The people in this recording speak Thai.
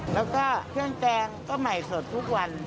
แล้วก็เครื่องแกงก็ใหม่สดทุกวัน